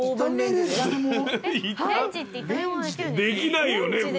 できないよね